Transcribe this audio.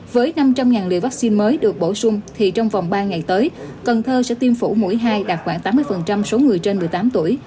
với năm trăm linh liều vaccine mới được bổ sung thì trong vòng ba ngày tới cần thơ sẽ tiêm phủ mũi hai đạt khoảng tám mươi số người trên một mươi tám tuổi